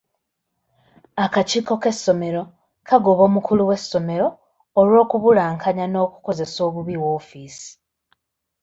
Akakiiko k'essomero kagoba omukulu w'essomero olw'okubulankanya n'okukozesa obubi woofiisi.